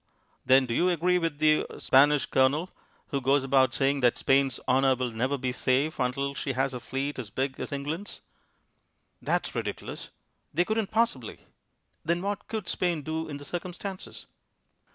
"Then do you agree with the er Spanish Colonel, who goes about saying that Spain's honour will never be safe until she has a fleet as big as England's?" "That's ridiculous. They couldn't possibly." "Then what could Spain do in the circumstances?"